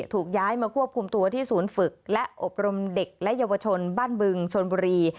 ถูกย้ายมาควบคุมตัวที่ศูนย์ฝึกและอบรมเด็กและเยาวชนบ้านบึงชนบุรี